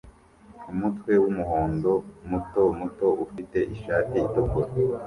Umutwe wumuhondo muto muto ufite ishati itukura